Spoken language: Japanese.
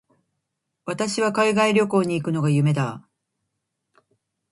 私は海外旅行に行くのが夢だ。